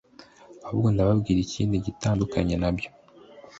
ahubwo ndababwira ikindi gitandukanye nabyo.